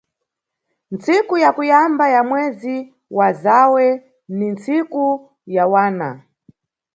Ntsiku ya kuyamba ya mwezi wa Zawe ni ntsiku ya wana.